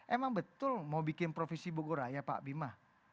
emang betul mau bikin provinsi bogoraya pak bima